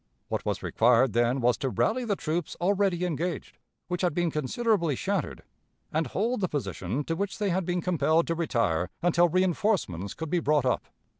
What was required then was to rally the troops already engaged, which had been considerably shattered, and hold the position to which they had been compelled to retire until reënforcements could be brought up.